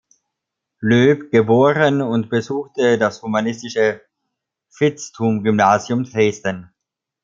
Loeb" geboren und besuchte das humanistische Vitzthum-Gymnasium Dresden.